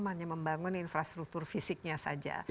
hanya membangun infrastruktur fisiknya saja